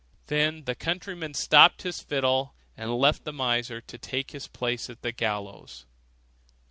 Then the countryman stopped his fiddle, and left the miser to take his place at the gallows.